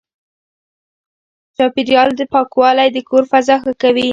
چاپېريال پاکوالی د کور فضا ښه کوي.